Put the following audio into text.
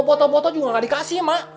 mau boto boto juga nggak dikasih mak